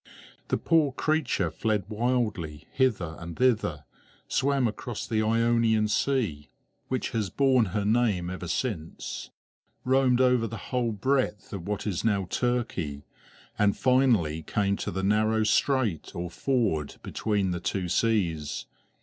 The poor creature fled wildly hither and thither; swam across the Ionian Sea, which has borne her name ever since; roamed over the whole breadth of what is now Turkey, and finally came to the narrow strait or ford between the two seas.